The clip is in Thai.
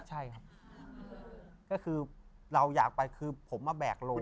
ใช่ครับก็คือเราอยากไปคือผมมาแบกลง